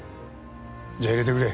じゃあ入れてくれ。